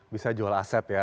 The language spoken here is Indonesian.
bisa jual aset ya